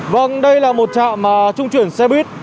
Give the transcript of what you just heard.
vâng đây là một trạm trung chuyển xe buýt